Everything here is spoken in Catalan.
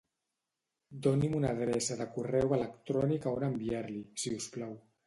Doni'm una adreça de correu electrònic a on enviar-li si us plau.